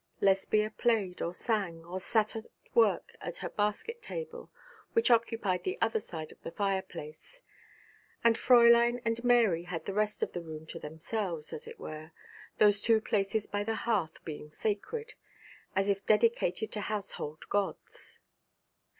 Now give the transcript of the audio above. Lesbia played or sang, or sat at work at her basket table, which occupied the other side of the fireplace; and Fräulein and Mary had the rest of the room to themselves, as it were, those two places by the hearth being sacred, as if dedicated to household gods.